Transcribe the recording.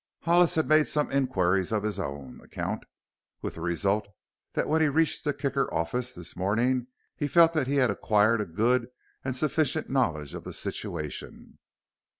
Hollis had made some inquiries on his own account, with the result that when he reached the Kicker office this morning he felt that he had acquired a good and sufficient knowledge of the situation.